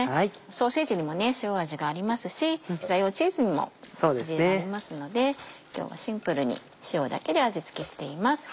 ソーセージにも塩味がありますしピザ用チーズにも味がありますので今日はシンプルに塩だけで味付けしています。